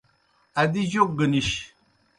ادی جوک گہ نِش۔